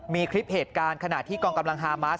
มีคลิปเหตุการณ์ขณะที่กองกำลังฮามาส